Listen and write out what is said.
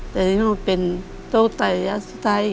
แต่ถ้าเป็นโต๊ะระยะสุดท้าย